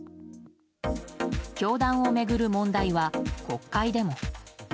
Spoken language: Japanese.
教団を巡る問題は国会でも。